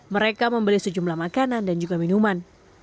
mereka membeli sejumlah makanan dan juga minuman